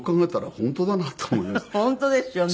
本当ですよね。